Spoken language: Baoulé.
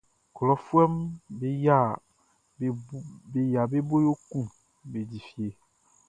Klɔfuɛʼm be yia be bo yo kun be di fie.